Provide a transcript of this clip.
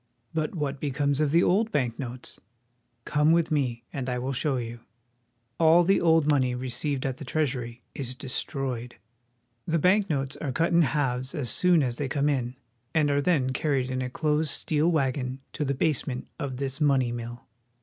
But what becomes of the old bank notes? Come with me, and I will show you. All the old money 42 WASHINGTON. received at the Treasury is destroyed. The bank notes are cut in halves as soon as they come in, and are then carried in a closed steel wagon to the basement of this money mill.